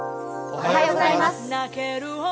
おはようございます。